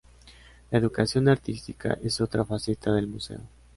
La educación artística es otra faceta del museo.